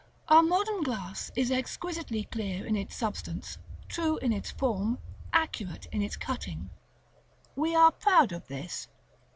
Our modern glass is exquisitely clear in its substance, true in its form, accurate in its cutting. We are proud of this.